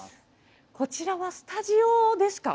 こちらはスタジオですか？